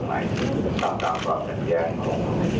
สวัสดีครับ